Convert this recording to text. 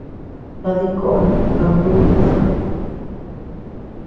Tadï kon jabnututa.